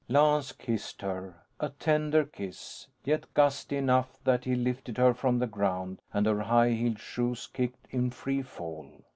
Lance kissed her. A tender kiss, yet gusty enough that he lifted her from the ground and her high heeled shoes kicked in free fall.